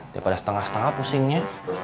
daripada setengah setengah pusingnya